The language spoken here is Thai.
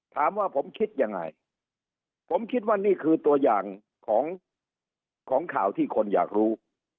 ถามว่าผมคิดยังไงผมคิดว่านี่คือตัวอย่างของข่าวที่คนอยากรู้